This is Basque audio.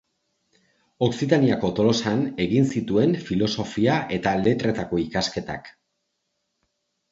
Okzitaniako Tolosan egin zituen Filosofia eta Letretako ikasketak.